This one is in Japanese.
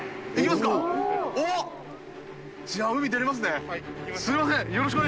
すみません。